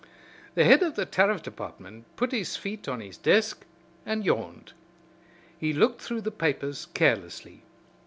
The head of the Tariff Department put his feet on his desk and yawned. He looked through the papers carelessly.